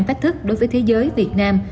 tách thức đối với thế giới việt nam